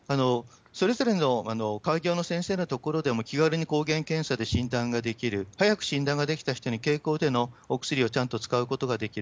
それぞれの開業の先生のところでも気軽に抗原検査で診断ができる、早く診断ができた人に経口でのお薬をちゃんと使うことができる。